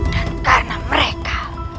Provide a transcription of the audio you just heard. dan karena mereka